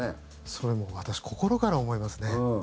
それはもう、私心から思いますね。